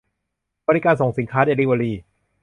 - บริการส่งสินค้า เดลิเวอรี